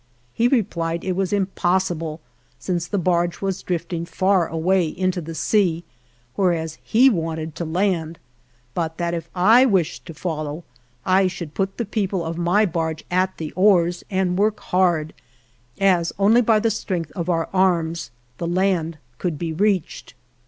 He replied it was im possible, since the barge was drifting far away into the sea, whereas he wanted to So ALVAR NUNEZ CABEZA DE VACA land, but that if I wished to follow I should put the people of my barge at the oars and work hard, as only by the strength of our arms the land could be reached.